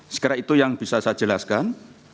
segera itu yang bisa saya jelaskan